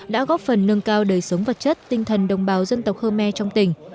đã góp phần nâng cao đời sống vật chất tinh thần đồng bào dân tộc khơ me trong tỉnh